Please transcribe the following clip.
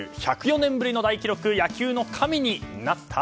１０４年ぶりの大記録野球の神になった？